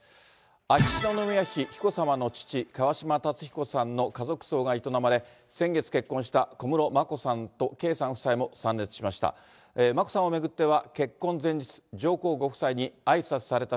秋篠宮妃紀子さまの父、川嶋辰彦さんの家族葬が営まれ、先月結婚した小室眞子さんと圭さん夫妻も参列しました。